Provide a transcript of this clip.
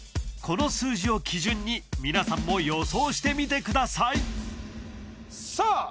この数字を基準に皆さんも予想してみてくださいさあ